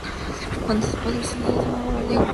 Era un romano, y su padre se llamaba Leo.